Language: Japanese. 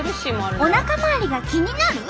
おなか回りが気になる？